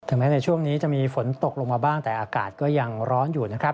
แม้ในช่วงนี้จะมีฝนตกลงมาบ้างแต่อากาศก็ยังร้อนอยู่นะครับ